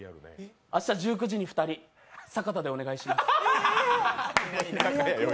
明日、１９時に２人、坂田でお願いします。